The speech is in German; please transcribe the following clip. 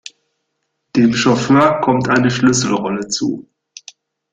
Dem Chauffeur kommt eine Schlüsselrolle zu.